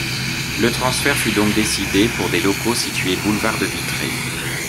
Le transfert fut donc décidé pour des locaux situés Boulevard de Vitré.